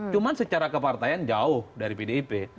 cuma secara kepartaian jauh dari pdip